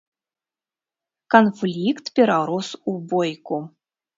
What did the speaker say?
Канфлікт перарос у бойку.